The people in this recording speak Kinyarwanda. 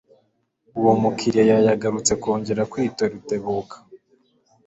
Uwo mukiriya yagarutse kongera kwitoRutebukaba.